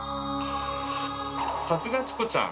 さすがチコちゃん！